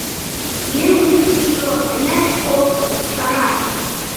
Мӧҥгышкыжӧ ынешт колто, чарат.